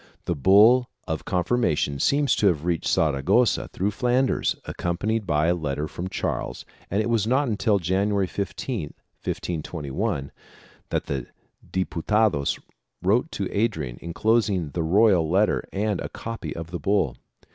The bull of confirmation seems to have reached Saragossa through Flanders, accompanied by a letter from Charles and it was not until January 15, 1521, that the Diputados wrote to Adrian enclos ing the royal letter and a copy of the bull.